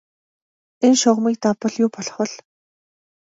Энэ шугамыг давбал юу болох бол?